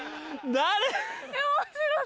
誰？